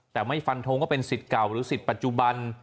แต่ไม่ฟันทงว่าเป็นสิทธิ์เก่าหรือสิทธิ์ปัจจุบัน